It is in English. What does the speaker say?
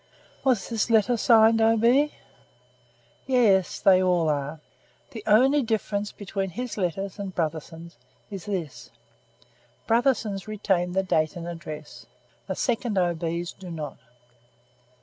"Was this letter signed O. B.?" "Yes; they all are. The only difference between his letters and Brotherson's is this: Brotherson's retain the date and address; the second O. B.'s do not."